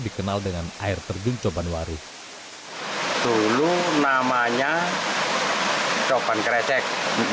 terkenal dengan air terjun coban waru dulu namanya coban krecek